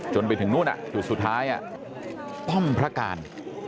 ไปถึงนู่นจุดสุดท้ายป้อมพระการ